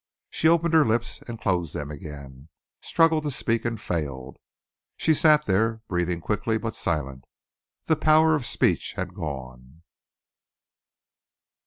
She opened her lips and closed them again, struggled to speak and failed. She sat there, breathing quickly, but silent. The power of speech had gone.